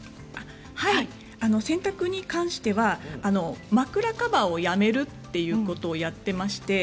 洗濯に関しては枕カバーをやめるということをやっています。